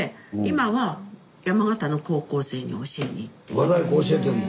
和太鼓教えてんの？